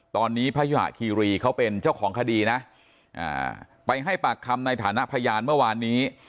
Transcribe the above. ตอนนี้พยุหะคีรีเขาเป็นเจ้าของคดีนะไปให้ปากคำในฐานะพยานเมื่อวานนี้